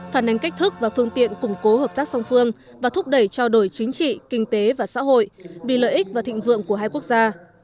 phản ánh cách thức và phương tiện củng cố hợp tác song phương và thúc đẩy trao đổi chính trị kinh tế và xã hội vì lợi ích và thịnh vượng của hai quốc gia